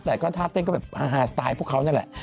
แต่นะครับเท่าเคยเท่าก็แบบฮาสไตล์พวกเขานั่นแหละ